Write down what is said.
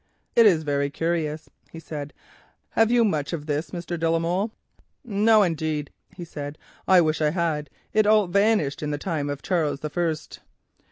"It is very curious," he said; "have you much of this, Mr. de la Molle?" "No indeed," he said; "I wish I had. It all vanished in the time of Charles the First."